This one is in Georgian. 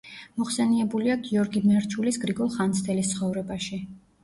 მოხსენიებულია გიორგი მერჩულის „გრიგოლ ხანძთელის ცხოვრებაში“.